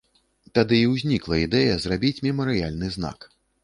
Тады і ўзнікла ідэя зрабіць мемарыяльны знак.